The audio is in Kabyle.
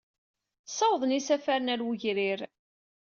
Ssawḍen isafaren ɣer wegrir.